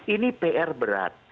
ini pr berat